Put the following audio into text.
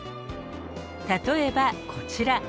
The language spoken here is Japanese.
例えばこちら。